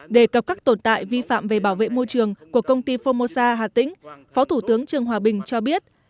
đề cập các tồn tại vi phạm về bảo vệ môi trường của công ty formosa hà tĩnh phó thủ tướng trương hòa bình cho biết